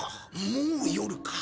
もう夜か。